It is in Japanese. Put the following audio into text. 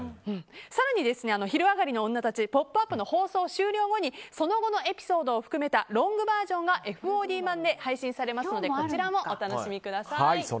更に「昼上がりのオンナたち」「ポップＵＰ！」の放送終了後にその後のエピソードを含めたロングバージョンがＦＯＤ版で配信されますのでこちらもお楽しみください。